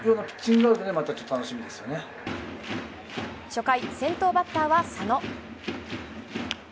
初回、先頭バッターは佐野。